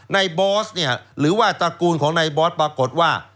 ในบอสหรือว่าตระกูลของในบอสปรากฏว่า